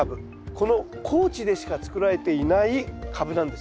この高知でしか作られていないカブなんですよ。